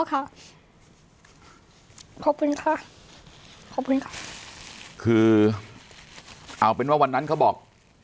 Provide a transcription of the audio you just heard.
ขอบคุณค่ะขอบคุณค่ะคือเอาเป็นว่าวันนั้นเขาบอก